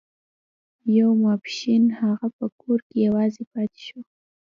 يو ماسپښين هغه په کور کې يوازې پاتې شو.